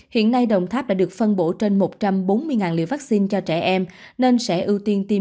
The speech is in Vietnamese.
hiện nay đồng tháp đã được phân bổ trên một trăm bốn mươi liều vaccine cho trẻ em